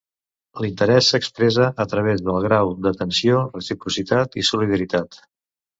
L'interès s'expressa a través del grau d'atenció, reciprocitat i solidaritat.